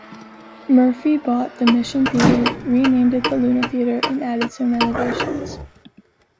Murphy bought the Mission Theater, renamed it the Luna Theater, and added some renovations.